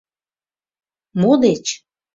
— Мо деч?